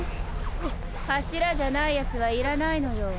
柱じゃないやつはいらないのよ。